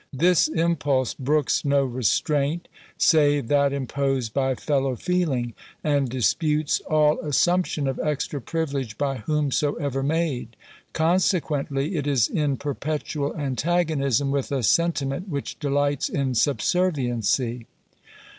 This impulse brooks no restraint, save that imposed by fellow feeling; and disputes all assumption of extra privilege by whomsoever made. Consequently, it is in perpetual antagonism with a sentiment which delights in sub serviency.